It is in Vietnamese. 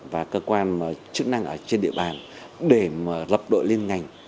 và cơ quan chức năng ở trên địa bàn để lập đội liên ngành